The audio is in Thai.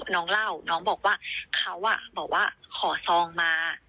น้องเล่าน้องบอกว่าเขาบอกว่าขอซองมา